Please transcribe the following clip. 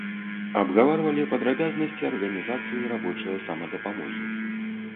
Абгаварвалі падрабязнасці арганізацыі рабочае самадапамогі.